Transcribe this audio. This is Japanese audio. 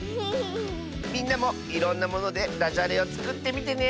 みんなもいろんなものでだじゃれをつくってみてね！